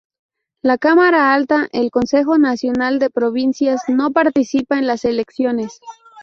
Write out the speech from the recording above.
La cámara alta, el Consejo Nacional de Provincias, no participa en las elecciones.